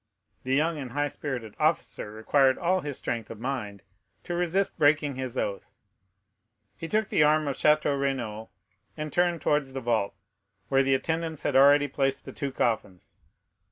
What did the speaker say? The young and high spirited officer required all his strength of mind to resist breaking his oath. He took the arm of Château Renaud, and turned towards the vault, where the attendants had already placed the two coffins.